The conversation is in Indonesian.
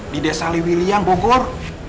di desa lewiliang bogor